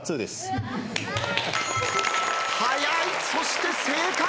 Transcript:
早いそして正解。